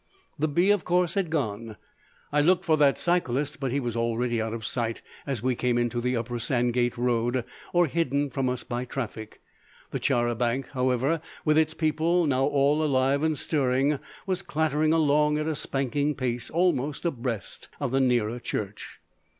The bee, of course, had gone. I looked for that cyclist, but he was already out of sight as we came into the Upper Sandgate Road or hidden from us by traffic; the char a banc, however, with its people now all alive and stirring, was clattering along at a spanking pace almost abreast of the nearer church.